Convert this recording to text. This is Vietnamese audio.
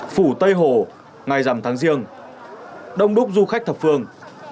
phủ tây hồ ngày dằm tháng riêng đông đúc du khách thập phương